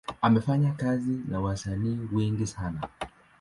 Amefanya kazi na wasanii wengi sana.